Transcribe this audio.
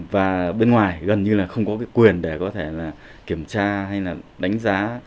và bên ngoài gần như là không có cái quyền để có thể là kiểm tra hay là đánh giá